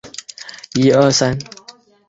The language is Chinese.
使其成为牛津大学中经费第四多的学院。